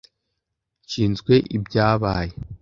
Nshinzwe ibyabaye.